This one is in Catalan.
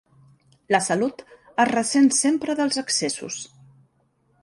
La salut es ressent sempre dels excessos.